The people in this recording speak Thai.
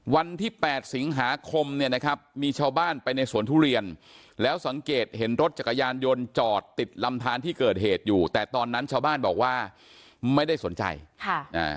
วันที่แปดสิงหาคมเนี่ยนะครับมีชาวบ้านไปในสวนทุเรียนแล้วสังเกตเห็นรถจักรยานยนต์จอดติดลำทานที่เกิดเหตุอยู่แต่ตอนนั้นชาวบ้านบอกว่าไม่ได้สนใจค่ะอ่า